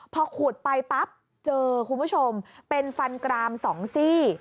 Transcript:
พอขุดไปปั๊บเจอคุณผู้ชมเป็นฟันกราม๒ซี่